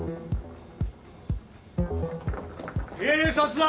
警察だ！